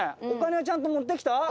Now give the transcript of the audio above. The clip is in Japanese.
お金はちゃんと持ってきた？